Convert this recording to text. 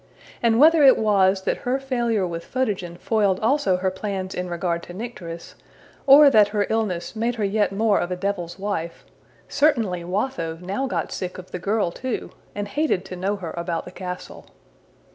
And whether it was that her failure with Photogen foiled also her plans in regard to Nycteris, or that her illness made her yet more of a devil's wife, certainly Watho now got sick of the girl too, and hated to know her about the castle.